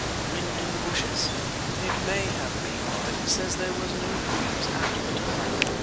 "Wind in the bushes?" "It may have been; but he says there was no breeze at the time."